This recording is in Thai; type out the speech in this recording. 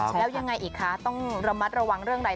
แล้วยังไงอีกคะต้องระมัดระวังเรื่องอะไร